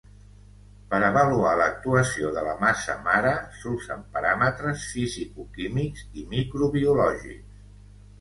Per avaluar l’actuació de la massa mare s’usen paràmetres fisicoquímics i microbiològics.